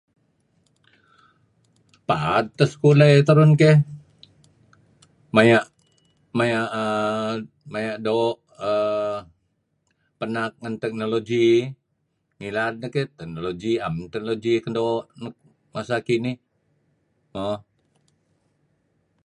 Paad teh sekulah eh terun keh maya' maya' err maya' doo' err penak ngan technology . Ngilad neh keh, am technology dih kan doo' nuk masa kinih. Mo